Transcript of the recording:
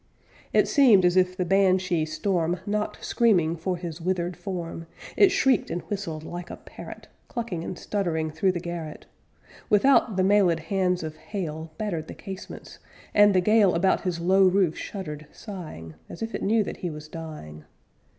It seemed as if the Banshee storm Knocked screaming for his withered form; It shrieked and whistled like a parrot, Clucking and stuttering through the garret. With out, the mailéd hands of hail Battered the casements, and the gale About his low roof shuddered, sighing, As if it knew that he was dying.